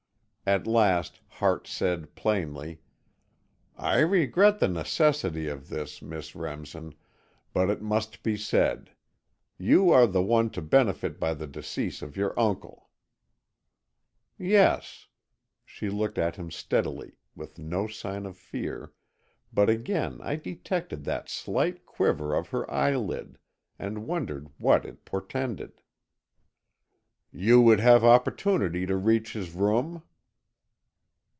At last Hart said, plainly: "I regret the necessity of this, Miss Remsen, but it must be said. You are the one to benefit by the decease of your uncle." "Yes," she looked at him steadily, with no sign of fear, but again I detected that slight quiver of her eyelid, and wondered what it portended. "You would have opportunity to reach his room."